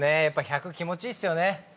やっぱ１００気持ちいいっすよね。